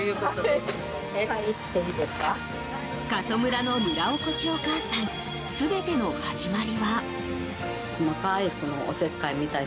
過疎村の村おこしお母さん全ての始まりは。